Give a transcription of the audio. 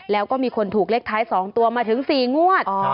แล้วก็มีคนถูกเลขท้าย๒ตัวมาถึง๔งวด